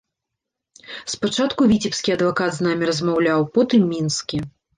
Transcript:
Спачатку віцебскі адвакат з намі размаўляў, потым мінскі.